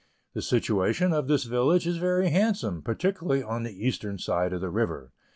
The situation of this village is very handsome, particularly on the eastern side of the river.